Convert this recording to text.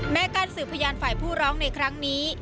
การสืบพยานฝ่ายผู้ร้องในครั้งนี้